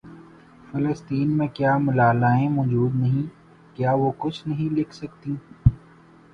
فلسطین میں کیا ملالائیں موجود نہیں کیا وہ کچھ نہیں لکھ سکتیں